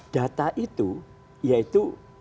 data itu yaitu